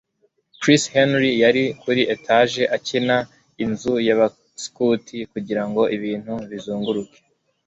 Chris Henry yari kuri etage akina inzu yabaskuti kugirango ibintu bizunguruke.